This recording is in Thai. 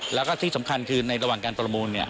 แล้วก็ที่สำคัญคือในระหว่างการประมูล